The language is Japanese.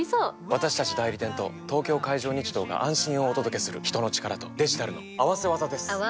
私たち代理店と東京海上日動が安心をお届けする人の力とデジタルの合わせ技です！